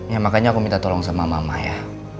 ya makanya aku minta tolong sama mama ya